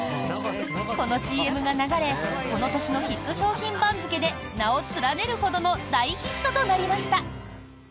このＣＭが流れこの年のヒット商品番付で名を連ねるほどの大ヒットとなりました。